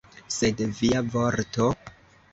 Sed via vorto?